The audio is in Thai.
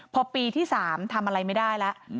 พอปีที่๓ทำอะไรไม่ได้แล้ว